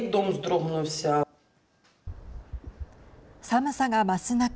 寒さが増す中